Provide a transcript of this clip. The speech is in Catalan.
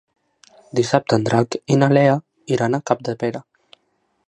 Dissabte en Drac i na Lea iran a Capdepera.